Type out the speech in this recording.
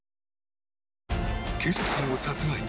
警察官を殺害。